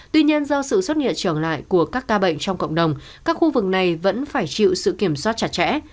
tuy nhiên do sự xuất hiện trở lại của các ca bệnh trong cộng đồng các khu vực này vẫn phải chịu sự kiểm soát chặt chẽ